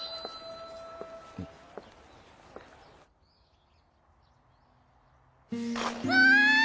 うん？わい！